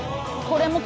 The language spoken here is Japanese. これ。